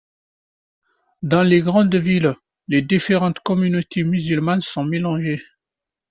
Dans les grandes villes, les différentes communautés musulmanes sont mélangées.